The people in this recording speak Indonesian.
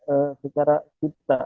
ee secara kita